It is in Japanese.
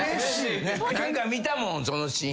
何か見たもんそのシーン。